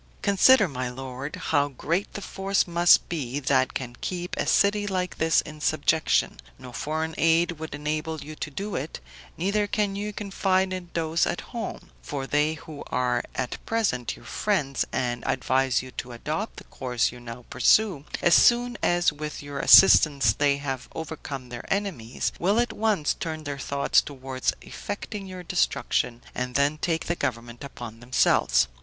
Consider, my lord, how great the force must be that can keep a city like this in subjection, no foreign aid would enable you to do it; neither can you confide in those at home; for they who are at present your friends, and advise you to adopt the course you now pursue, as soon as with your assistance they have overcome their enemies, will at once turn their thoughts toward effecting your destruction, and then take the government upon themselves.